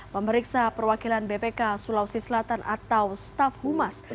pemeriksa perwakilan bpk sulawesi selatan atau staf humas